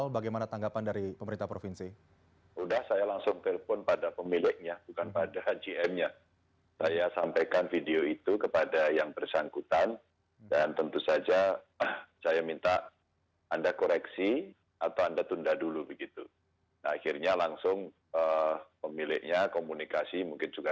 bagaimana tanggapan dari pemerintah provinsi